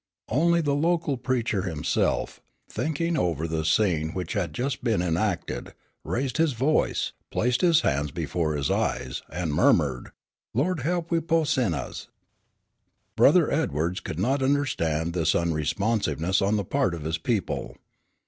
Only the local preacher himself, thinking over the scene which had just been enacted, raised his voice, placed his hands before his eyes, and murmured, "Lord he'p we po' sinnahs!" Brother Edwards could not understand this unresponsiveness on the part of his people.